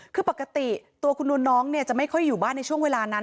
คือปกติตัวคุณนวลน้องจะไม่ค่อยอยู่บ้านในช่วงเวลานั้น